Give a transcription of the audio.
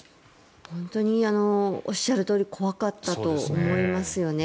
本当におっしゃるとおり怖かったと思いますよね。